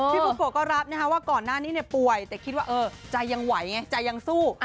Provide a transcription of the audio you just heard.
บุโกะก็รับว่าก่อนหน้านี้ป่วยแต่คิดว่าใจยังไหวไงใจยังสู้